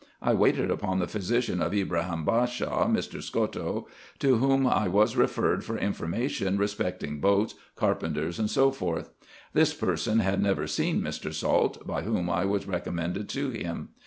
I waited upon the physician of Ibrahim Bashaw, Mr. Scotto, to whom I was referred for information respecting boats, carpenters, &c. This person had never seen Mr. Salt, by whom I was recommended to him.